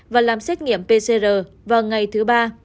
và làm xét nghiệm pcr vào ngày thứ ba